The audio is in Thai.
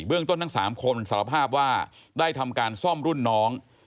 เรื่องต้นทั้ง๓คนสารภาพว่าได้ทำการซ่อมรุ่นน้อง